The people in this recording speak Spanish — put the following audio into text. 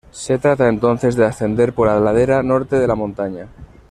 Se trata entonces de ascender por la ladera norte de la montaña.